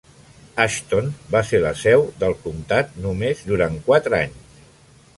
Ashton va ser la seu del comptat només durant quatre anys.